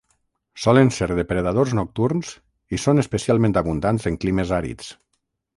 Solen ser depredadors nocturns i són especialment abundants en climes àrids.